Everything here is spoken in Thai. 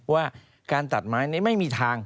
ว่าการตัดไม้ไม่มีทาง